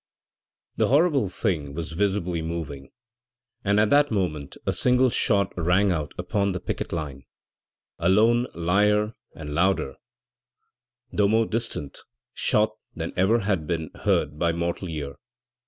The horrible thing was visibly moving! At that moment a single shot rang out upon the picket line a lonelier and louder, though more distant, shot than ever had been heard by mortal ear!